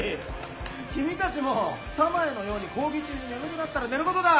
君たちも田前のように講義中に眠くなったら寝ることだ！